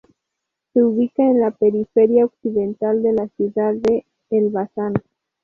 Se ubica en la periferia occidental de la ciudad de Elbasan.